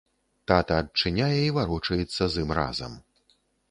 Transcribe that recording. Тата адчыняе і варочаецца з ім разам.